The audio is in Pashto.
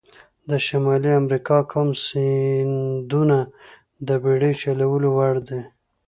د شمالي امریکا کوم سیندونه د بېړۍ چلولو وړ دي؟